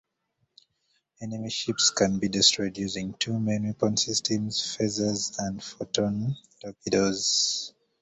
Enemy ships can be destroyed using two main weapons systems: phasers and photon torpedoes.